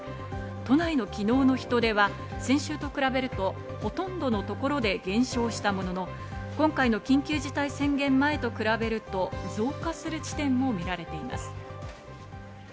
都内の昨日の人出は先週と比べると、ほとんどの所で減少したものの、今回の緊急事態宣言前と比べると増加する地点も見られています。